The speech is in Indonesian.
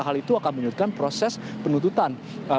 hal itu akan menyurutkan proses penuntutan